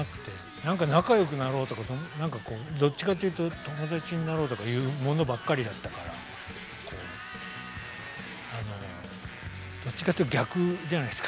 なんか仲良くなろうとかなんかどっちかっていうと友達になろうとかいうものばっかりだったからこうあのどっちかという逆じゃないですか。